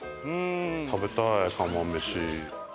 食べたい釜飯。